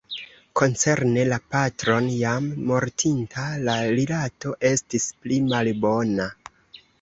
Koncerne la patron, jam mortinta, la rilato estis pli malbona.